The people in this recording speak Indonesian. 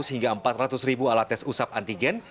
hingga empat ratus ribu alat tes usap antigen